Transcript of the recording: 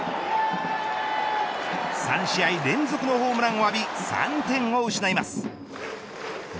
３試合連続のホームランを浴び３点を失います。